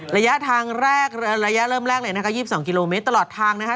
ระยะทางแรกระยะเริ่มแรกเลยนะคะ๒๒กิโลเมตรตลอดทางนะคะ